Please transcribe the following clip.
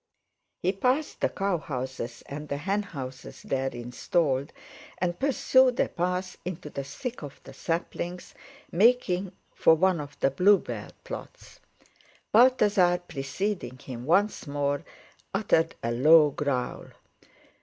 He passed the cow houses and the hen houses there installed, and pursued a path into the thick of the saplings, making for one of the bluebell plots. Balthasar, preceding him once more, uttered a low growl.